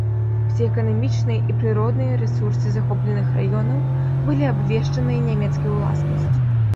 Усе эканамічныя і прыродныя рэсурсы захопленых раёнаў былі абвешчаныя нямецкай уласнасцю.